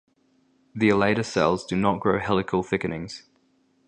The elater cells do not grow helical thickenings.